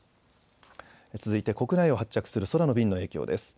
続いて国内を発着する空の便の影響です。